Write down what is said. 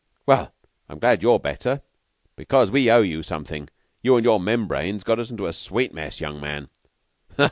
Well, I'm glad you're better, because we owe you something. You and your membranes got us into a sweet mess, young man."